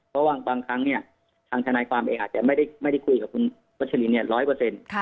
เพราะว่าบางครั้งเนี่ยทางทนายความเองอาจจะไม่ได้คุยกับคุณวัชลินเนี่ยร้อยเปอร์เซ็นต์